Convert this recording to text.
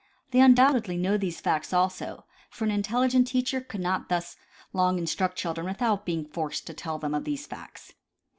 They undoubtedly know these facts also, for an intelligent teacher could not thus long instruct children with out being forced to tell them of these facts.